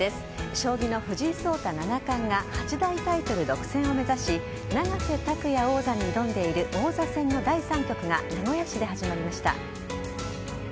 将棋の藤井聡太七冠が８大タイトル独占を目指し永瀬拓也王座に挑んでいる王座戦の第３局が名古屋市で始まりました。